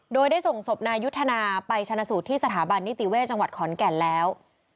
โดยได้ส่งศพนายุทธนาไปชนะสูตรที่สถาบันนิติเวศจังหวัดขอนแก่นแล้ว